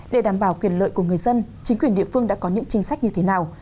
để đảm bảo quyền lợi của người dân chính quyền địa phương đã có những chính sách như thế nào